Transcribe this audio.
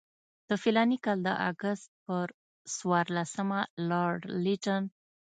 د فلاني کال د اګست پر څوارلسمه لارډ لیټن.